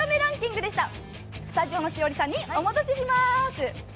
スタジオの栞里さんにお戻しします。